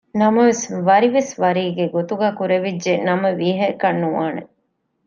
ނަމަވެސް ވަރިވެސް ވަރީގެ ގޮތުގައި ކުރެވިއްޖެ ނަމަ ވިހައަކަށް ނުވާނެ